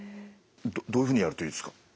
どういうふうにやるといいですか？